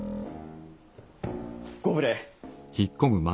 ご無礼。